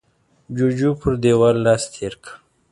جوجو پر دېوال لاس تېر کړ.